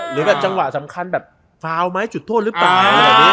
หรือแบบจังหวะสำคัญแบบฟาวไหมจุดโทษหรือเปล่า